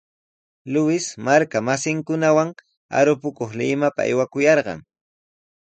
Luis marka masinkunawan arupakuq Limapa aywakuyarqan.